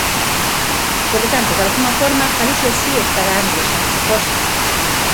Polo tanto, dalgunha forma, Galicia si está dando esas respostas.